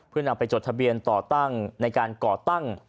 เพื่อนำไปจดทะเบียนต่อตั้งในการก่อตั้ง